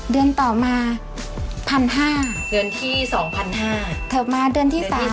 เดือนต่อมาพันห้าเดือนที่สองพันห้าเถิบมาเดือนที่สาม